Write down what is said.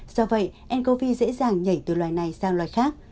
do vậy ncov dễ dàng nhảy từ loài này sang loài khác